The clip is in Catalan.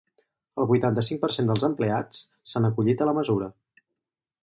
El vuitanta-cinc per cent dels empleats s’han acollit a la mesura.